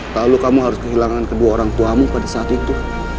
lalu kamu harus kehilangan kedua orang tuamu pada saat itu